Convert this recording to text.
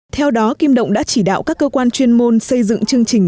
theo đó kim động đã chỉ đạo các cơ quan chuyên môn xây dựng chương trình